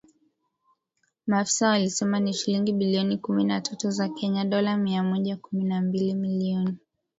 Maafisa walisema ni shilingi bilioni kumi na tatu za Kenya (Dola mia moja kumi na mbili milioni).